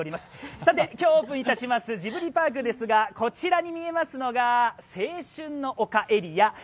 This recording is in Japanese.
さて、今日オープンいたしますジブリパークですが、こちらに見えますのは青春の丘エリア。